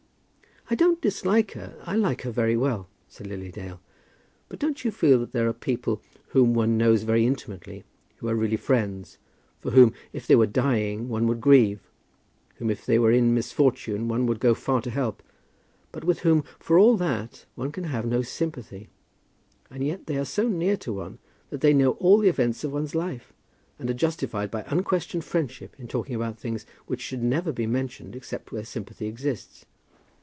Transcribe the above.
"I don't dislike her. I like her very well," said Lily Dale. "But don't you feel that there are people whom one knows very intimately, who are really friends, for whom if they were dying one would grieve, whom if they were in misfortune one would go far to help, but with whom for all that one can have no sympathy. And yet they are so near to one that they know all the events of one's life, and are justified by unquestioned friendship in talking about things which should never be mentioned except where sympathy exists."